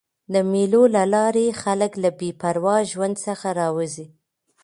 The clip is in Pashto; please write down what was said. د مېلو له لاري خلک له بې پروا ژوند څخه راوځي.